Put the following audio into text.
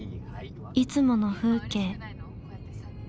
いつもの風景